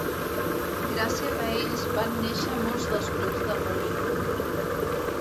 Gràcies a ells van néixer molts dels grups del moment.